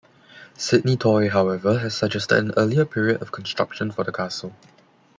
Sidney Toy, however, has suggested an earlier period of construction for the castle.